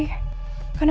kan aku jadi masalahnya